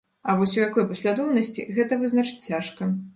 А вось у якой паслядоўнасці, гэта вызначыць цяжка.